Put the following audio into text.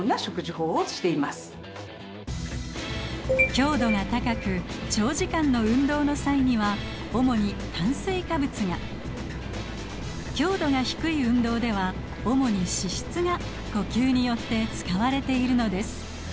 強度が高く長時間の運動の際には主に炭水化物が強度が低い運動では主に脂質が呼吸によって使われているのです。